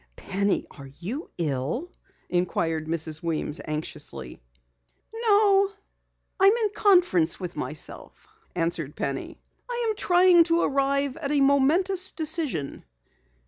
"Penny, are you ill?" inquired Mrs. Weems anxiously. "No, I'm in conference with myself," answered Penny. "I am trying to arrive at a momentous decision."